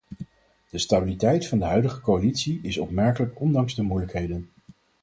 De stabiliteit van de huidige coalitie is opmerkelijk ondanks de moeilijkheden.